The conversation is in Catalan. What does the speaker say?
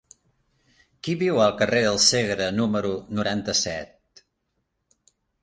Qui viu al carrer del Segre número noranta-set?